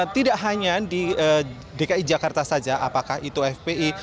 tidak hanya di dki jakarta saja apakah itu fpi